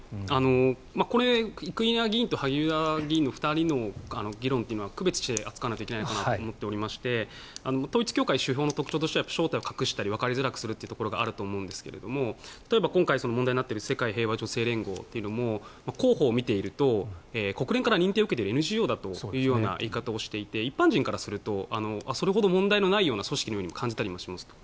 これ、生稲議員と萩生田議員の２人の議論というのは区別して扱わないといけないかなと思っておりまして統一教会の手法の特徴としては正体をわかりづらくするところがあると思うんですが例えば今回問題になっている世界平和女性連合というのは広報を見ていると国連から認定を受けているＮＧＯだという言い方をしていて一般人からするとそれほど問題のないような組織なのかなと感じたりもしますと。